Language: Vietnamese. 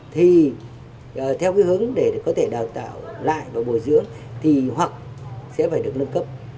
thì theo cái hướng để có thể đào tạo lại và bồi dưỡng thì hoặc sẽ phải được nâng cấp